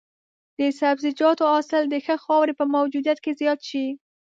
د سبزیجاتو حاصل د ښه خاورې په موجودیت کې زیات شي.